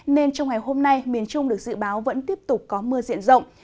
nên trong ngày hôm nay miền trung được dự báo vẫn tiếp tục có mưa diện rộng